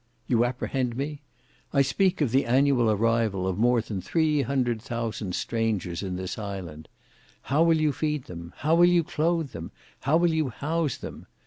You apprehend me? I speak of the annual arrival of more than three hundred thousand strangers in this island. How will you feed them? How will you clothe them? How will you house them?